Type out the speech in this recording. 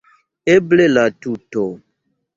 Eble la tuto.